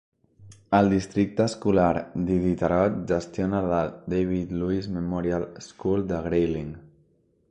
El districte escolar d'Iditarod gestiona la David Louis Memorial School de Grayling.